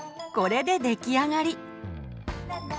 これで出来上がり！